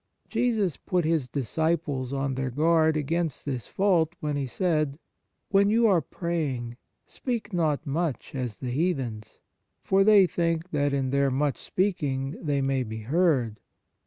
Jesus put His disciples on their guard against this fault when He said :" When you are praying, speak not much, as the heathens. For they think that in their much speaking they may be heard.